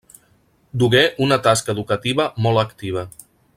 Dugué una tasca educativa molt activa.